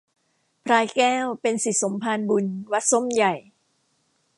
พลายแก้วเป็นศิษย์สมภารบุญ วัดส้มใหญ่